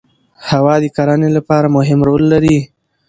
هوا د کرنې لپاره مهم رول لري